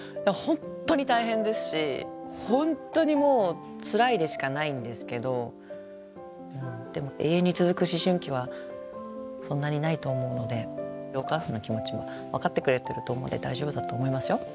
本当に大変ですし本当にもうつらいでしかないんですけどでも永遠に続く思春期はそんなにないと思うのでお母さんの気持ちも分かってくれてると思うんで大丈夫だと思いますよ。